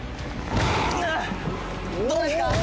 うあっどうですか？